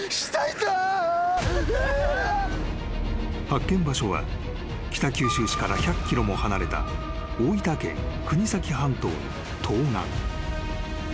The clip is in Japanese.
［発見場所は北九州市から１００ｋｍも離れた大分県国東半島の東岸］